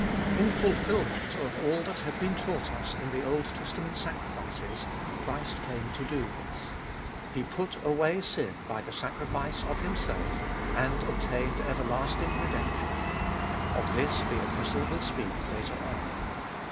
In fulfilment of all that had been taught us in the Old Testament sacrifices, Christ came to do this. He put away sin by the sacrifice of Himself, and obtained everlasting redemption. Of this the Ibolfest of ail 101 Epistle will speak later on.